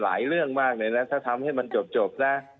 เรื่องมากเลยนะถ้าทำให้มันจบนะ